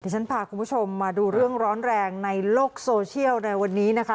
ฉันพาคุณผู้ชมมาดูเรื่องร้อนแรงในโลกโซเชียลในวันนี้นะคะ